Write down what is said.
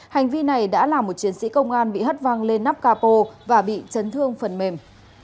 hành vi này đã làm một chiến sĩ công an bị hất văng lên nắp capo và bị chấn thương phần mềm